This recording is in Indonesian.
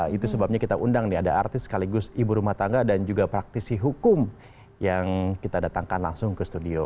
itu sebabnya kita undang nih ada artis sekaligus ibu rumah tangga dan juga praktisi hukum yang kita datangkan langsung ke studio